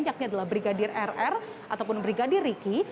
yakni adalah brigadir rr ataupun brigadir riki